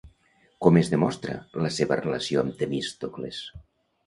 Com es demostra la seva relació amb Temístocles?